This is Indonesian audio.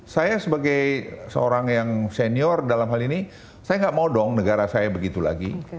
saya sebagai seorang yang senior dalam hal ini saya nggak mau dong negara saya begitu lagi